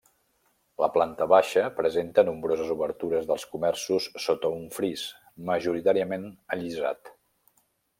La planta baixa presenta nombroses obertures dels comerços sota un fris, majoritàriament allisat.